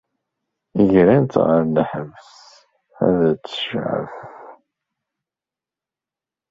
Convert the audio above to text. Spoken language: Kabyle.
Grent-tt ɣer lḥebs ad tecɛef.